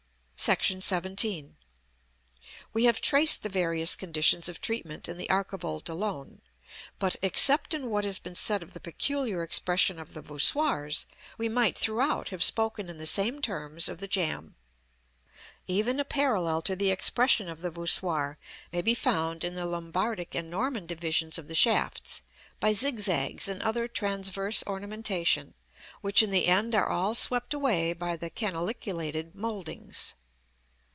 § XVII. We have traced the various conditions of treatment in the archivolt alone; but, except in what has been said of the peculiar expression of the voussoirs, we might throughout have spoken in the same terms of the jamb. Even a parallel to the expression of the voussoir may be found in the Lombardic and Norman divisions of the shafts, by zigzags and other transverse ornamentation, which in the end are all swept away by the canaliculated mouldings.